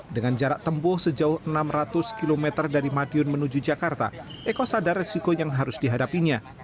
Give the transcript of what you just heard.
dengan jarak tempuh sejauh enam ratus km dari madiun menuju jakarta eko sadar resiko yang harus dihadapinya